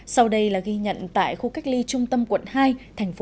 sau đây là ghi nhận tại khu cách ly trung tâm quận hai tp hcm